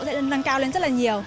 sẽ nâng cao lên rất là nhiều